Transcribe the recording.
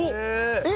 えっ！